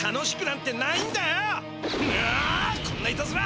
こんないたずら